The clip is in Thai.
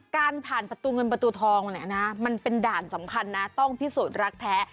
การผ่านประตูเงินประตูทองเนี่ยนะมันเป็นด่านสำคัญนะต้องพิสูจน์รักแท้